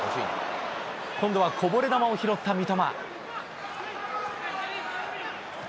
今度はこぼれ球を拾った三笘。